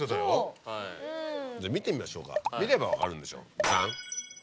じゃあ見てみましょうか見れば分かるんでしょザン！